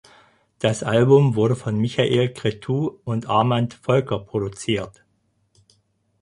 Das Album wurde von Michael Cretu und Armand Volker produziert.